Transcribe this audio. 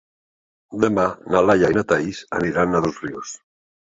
Demà na Laia i na Thaís aniran a Dosrius.